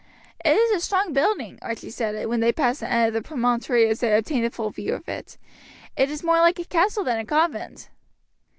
"It is a strong building," Archie said as when past the end of the promontory they obtained a full view of it. "It is more like a castle than a convent."